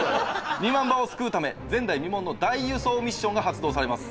２万羽を救うため前代未聞の大輸送ミッションが発動されます。